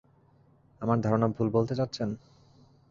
আমার ধারণা ভুল বলতে চাচ্ছেন?